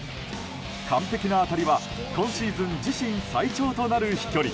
完璧な当たりは今シーズン自身最長となる飛距離